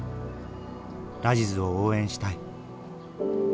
ラジズを応援したい。